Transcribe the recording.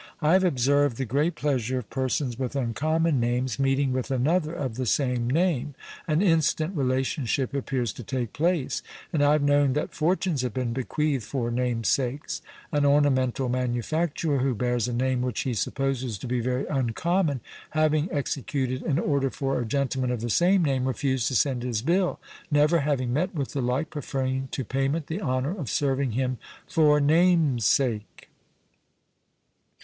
I have observed the great pleasure of persons with uncommon names meeting with another of the same name; an instant relationship appears to take place; and I have known that fortunes have been bequeathed for namesakes. An ornamental manufacturer, who bears a name which he supposes to be very uncommon, having executed an order for a gentleman of the same name, refused to send his bill, never having met with the like, preferring to payment the honour of serving him for namesake.